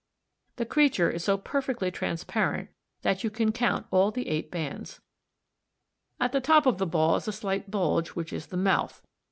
The creature is so perfectly transparent that you can count all the eight bands. At the top of the ball is a slight bulge which is the mouth (m 2, Fig.